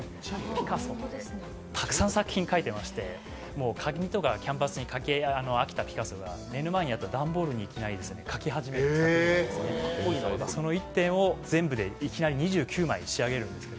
ピカソ、たくさん作品描いてまして紙とかに飽きたピカソが目の前にあった段ボールにいきなり描き始めたという、その１点を全部でいきなり２９枚仕上げるんですね。